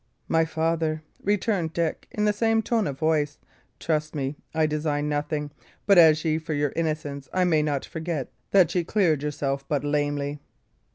"My father," returned Dick, in the same tone of voice, "trust me, I design nothing; but as for your innocence, I may not forget that ye cleared yourself but lamely."